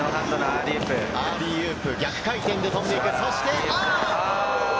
アーリーウープ、逆回転で飛んでいく。